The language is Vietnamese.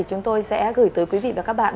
chúng tôi sẽ gửi tới quý vị và các bạn